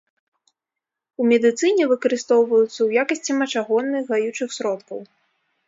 У медыцыне выкарыстоўваюцца ў якасці мачагонных, гаючых сродкаў.